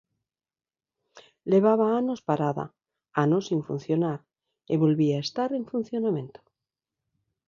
Levaba anos parada, anos sen funcionar, e volvía estar en funcionamento.